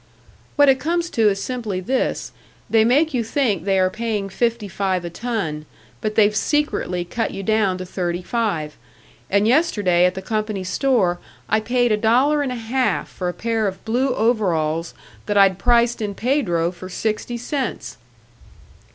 "What it comes to is simply this they make you think they are paying fifty five a ton, but they've secretly cut you down to thirty five. And yesterday at the company store I paid a dollar and a half for a pair of blue overalls that I'd priced in Pedro for sixty cents."